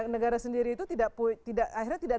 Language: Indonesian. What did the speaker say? negara sendiri itu tidak